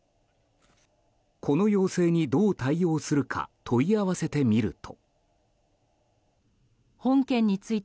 この要請にどう対応するか問い合わせてみると。